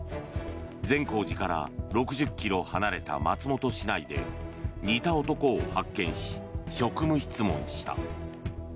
善光寺から６０ｋｍ離れた松本市内で似た男を発見し、職務質問した。